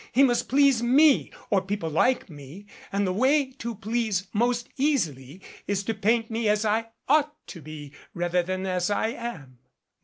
He must please me or people like me and the way to please most easily is to paint me as I ought to be rather than as I am."